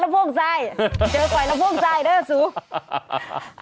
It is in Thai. เจอก่อนรับโภคใส่ด้วย